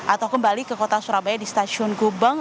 atau kembali ke kota surabaya di stasiun gubeng